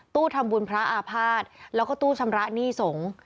ตู้ธรรมบุญพระอาพาทแล้วก็ตู้ชำระนี่สงฆ์